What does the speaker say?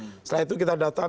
setelah itu kita datang